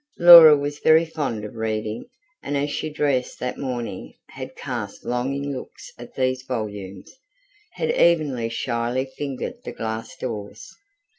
Laura was very fond of reading, and as she dressed that morning had cast longing looks at these volumes, had evenly shyly fingered the glass doors.